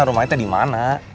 rumahnya tadi mana